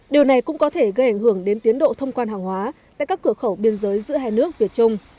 điều này cũng có thể gây ảnh hưởng đến tiến độ thông quan hàng hóa tại các cửa khẩu biên giới giữa hai nước việt trung